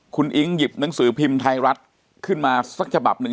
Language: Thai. คุณอิ๊งหยิบหนังสือพิมพ์ไทยรัฐขึ้นมาสักฉบับหนึ่ง